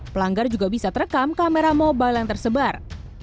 pelanggar juga bisa terekam kamera mobile yang tersebar